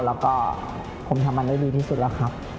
แล้วก็ผมทำมันได้ดีที่สุดแล้วครับ